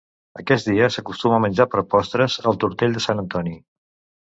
Aquest dia s'acostuma a menjar per postres el Tortell de Sant Antoni.